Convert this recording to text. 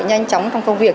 nhanh chóng trong công việc